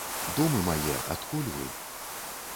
Думы мае, адкуль вы?